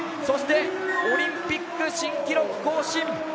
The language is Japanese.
そしてオリンピック新記録更新！